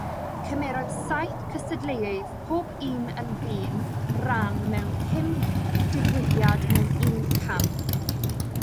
Cymerodd saith cystadleuydd, pob un yn ddyn, ran mewn pum digwyddiad mewn un camp.